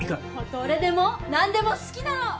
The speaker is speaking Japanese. どれでも何でも好きなのＯＫです！